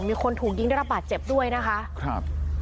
มีคนถูกยิงได้รับบาดเจ็บด้วยนะคะครับ